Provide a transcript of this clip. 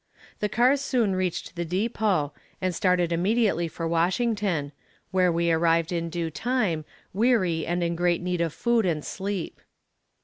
The cars soon reached the depot, and started immediately for Washington where we arrived in due time weary, and in great need of food and sleep.